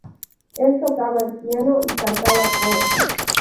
Él tocaba el piano y cantaba coros.